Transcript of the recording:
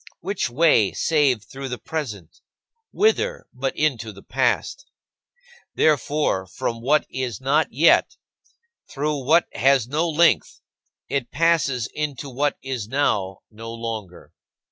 Which way, save through the present? Whither, but into the past? Therefore, from what is not yet, through what has no length, it passes into what is now no longer.